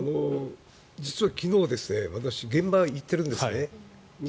実は昨日私、現場に行ってるんですね。